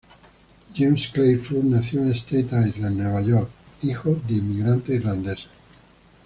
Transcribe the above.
James Clair Flood nació en Staten Island, Nueva York, hijo de inmigrantes irlandeses.